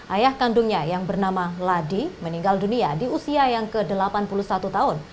ayah kandungnya yang bernama ladi meninggal dunia di usia yang ke delapan puluh satu tahun